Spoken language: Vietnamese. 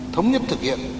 thống nhất thực hiện